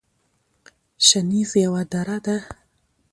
شنیز یوه دره ده